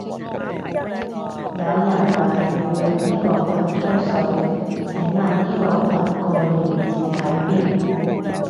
有人話要入依個羣吹水，請問依個羣個鏈接喺邊？